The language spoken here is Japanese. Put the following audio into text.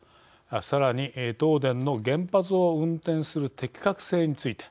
さらに、東電の原発を運転する適格性について。